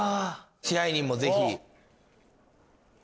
支配人もぜひ。